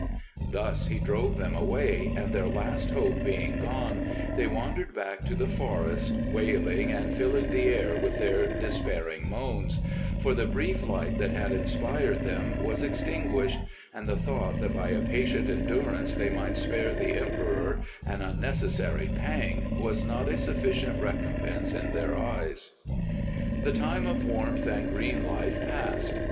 Thus he drove them away, and their last hope being gone they wandered back to the forest, wailing and filling the air with their despairing moans; for the brief light that had inspired them was extinguished and the thought that by a patient endurance they might spare the Emperor an unnecessary pang was not a sufficient recompense in their eyes. The time of warmth and green life passed.